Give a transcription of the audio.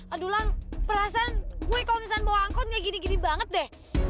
aduh lang perasaan gue kalau misalnya mau angkut gak gini gini banget deh